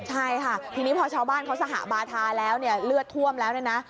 ใช่ค่ะทีนี้พอชาวบ้านเขาสหบาทาแล้วเลือดท่วมแล้วนะ